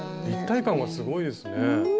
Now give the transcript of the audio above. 立体感がすごいですね。